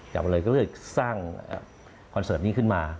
กลับมาเลยก็เลยสร้างคอนเสิร์ตนี้ขึ้นมา